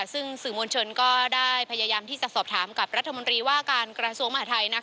ซึ่งสื่อมวลชนก็ได้พยายามที่จะสอบถามกับรัฐมนตรีว่าการกระทรวงมหาทัย